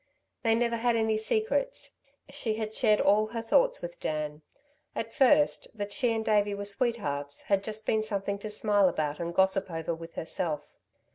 They never had any secrets. She had shared all her thoughts with Dan. At first, that she and Davey were sweethearts, had just been something to smile about and gossip over with herself.